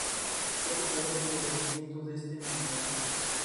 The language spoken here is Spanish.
Son numerosos los yacimientos de este mineral.